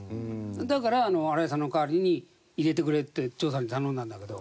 だから荒井さんの代わりに入れてくれって長さんに頼んだんだけど。